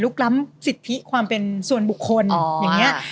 ล้ำสิทธิความเป็นส่วนบุคคลอย่างนี้